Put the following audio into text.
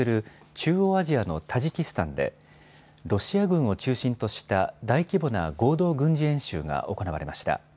中央アジアのタジキスタンでロシア軍を中心とした大規模な合同軍事演習が行われました。